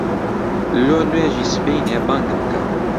لۆ نوێژی سبەینێ بانگم بکە.